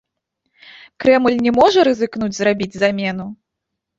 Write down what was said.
Крэмль не можа рызыкнуць зрабіць замену?